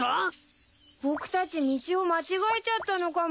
僕たち道を間違えちゃったのかも。